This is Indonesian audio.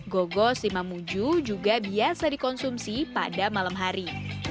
gogos di mamuju juga biasa dikonsumsi pada malam hari